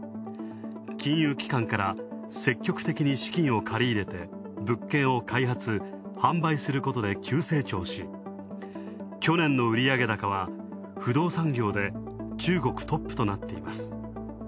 金融機関から積極的に資金を借り入れて、物件を開発、販売することで急成長し、去年の売上高は不動産業で、中国トップとなっています。